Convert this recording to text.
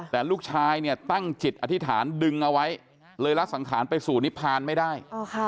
แต่ลูกชายเนี่ยตั้งจิตอธิษฐานดึงเอาไว้เลยละสังขารไปสู่นิพพานไม่ได้